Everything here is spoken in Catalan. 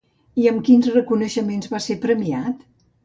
I amb quins reconeixements va ser premiat?